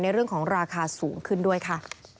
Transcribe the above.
เรื่องของราคาสูงขึ้นด้วยค่ะ